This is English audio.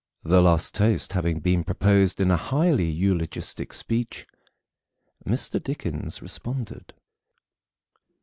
The last toast having been proposed in a highly eulogistic speech, Mr. Dickens responded.